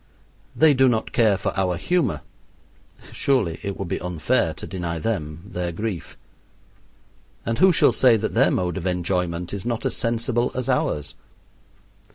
They do not care for our humor, surely it would be unfair to deny them their grief. And who shall say that their mode of enjoyment is not as sensible as ours?